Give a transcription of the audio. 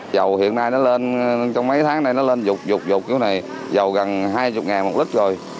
giàu hiện nay nó lên trong mấy tháng này nó lên dục dục dục kiểu này giàu gần hai mươi một lít rồi